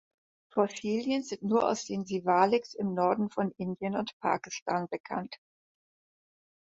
Fossilien sind nur aus den Siwaliks im Norden von Indien und Pakistan bekannt.